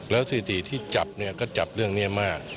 แล้วสถิติที่จับเนี่ยก็จับเรื่องนี้มาก